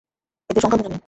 এদের সংখ্যা গুণে নিন।